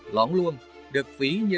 lóng luông được phí như